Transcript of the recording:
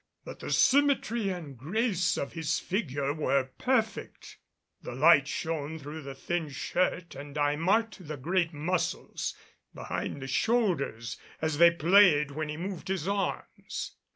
But the symmetry and grace of his figure were perfect. The light shone through the thin shirt and I marked the great muscles behind the shoulders as they played when he moved his arms.